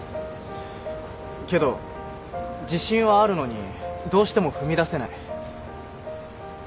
けど自信はあるのにどうしても踏み出せない。